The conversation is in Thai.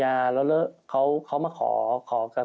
มีปลายัรภาพรรณนะ